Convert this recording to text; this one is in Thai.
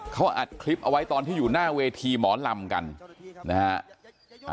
เขาอัดคลิปเอาไว้ตอนที่อยู่หน้าเวทีหมอลำกันนะฮะ